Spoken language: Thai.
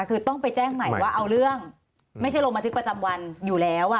คือต้องไปแจ้งใหม่ว่าเอาเรื่องไม่ใช่ลงบันทึกประจำวันอยู่แล้ว